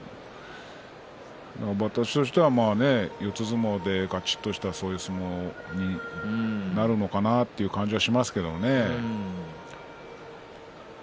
私としては四つ相撲でがちっとしたそういう相撲になるのかなという感じがしますけれどもね。